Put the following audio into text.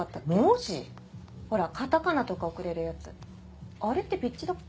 ほらカタカナとか送れるやつあれってピッチだっけ？